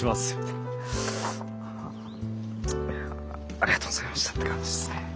ありがとうございましたって感じっすね。